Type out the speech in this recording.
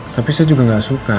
tapi saya juga nggak suka